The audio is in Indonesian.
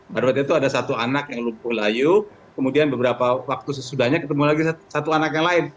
baru waktu itu ada satu anak yang lumpuh layu kemudian beberapa waktu sesudahnya ketemu lagi satu anak yang lain